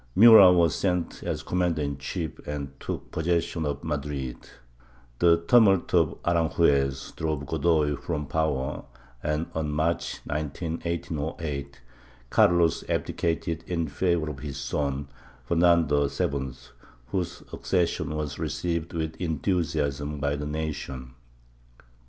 Murat was sent as com mander in chief and took possession of Madrid. The Tumult of Aranjuez drove Godoy from power and, on March 19, 1808, Carlos abdicated in favor of his son, Fernando VII, whose accession was received with enthusiasm by the nation.